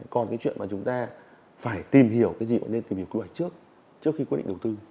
còn cái chuyện mà chúng ta phải tìm hiểu cái gì họ nên tìm hiểu quy hoạch trước trước khi quyết định đầu tư